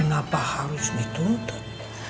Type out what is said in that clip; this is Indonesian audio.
kenapa harus dituntut